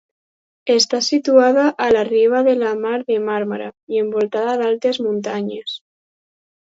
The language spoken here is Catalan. Està situada a la riba de la Mar de Màrmara i envoltada d'altes muntanyes.